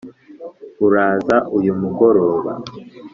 uraza uyu mugoroba?